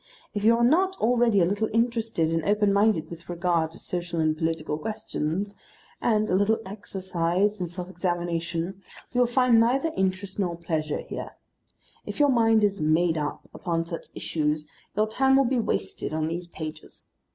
If you are not already a little interested and open minded with regard to social and political questions, and a little exercised in self examination, you will find neither interest nor pleasure here. If your mind is "made up" upon such issues your time will be wasted on these pages.